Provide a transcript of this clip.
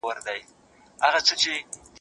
د نرمغالي دپاره مي په کڅوڼي کي نوي پلمې ولیدلې.